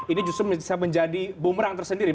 ini justru bisa menjadi bumerang tersendiri